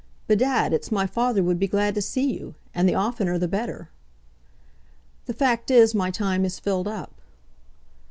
"Bedad, it's my father would be glad to see you, and the oftener the better." "The fact is, my time is filled up."